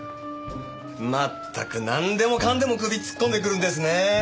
まったくなんでもかんでも首突っ込んでくるんですね。